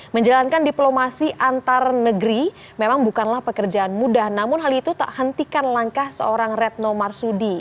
menjalankan diplomasi antar negeri memang bukanlah pekerjaan mudah namun hal itu tak hentikan langkah seorang retno marsudi